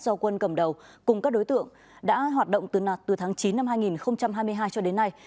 do quân cầm đầu cùng các đối tượng đã hoạt động từ tháng chín năm hai nghìn hai mươi hai cho đến nay